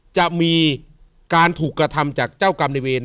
จะมีการถูกกระทำจากเจ้ากรรมในเวร